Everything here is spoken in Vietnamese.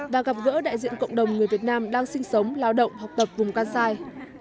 và gặp gỡ đại diện cộng đồng người việt nam đang sinh sống lao động học tập vùng kansai